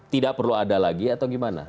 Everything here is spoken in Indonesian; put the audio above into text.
tidak perlu ada lagi atau gimana